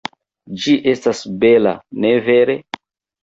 Ĝi estas bela, ne vere?